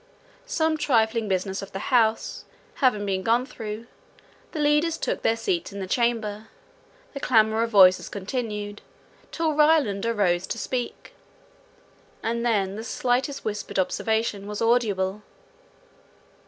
Some trifling business of the House having been gone through, the leaders took their seats in the chamber; the clamour of voices continued, till Ryland arose to speak, and then the slightest whispered observation was audible.